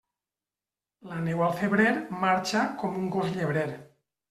La neu al febrer, marxa com un gos llebrer.